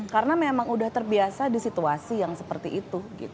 karena memang udah terbiasa di situasi yang seperti itu